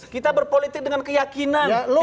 kita berpolitik dengan keyakinan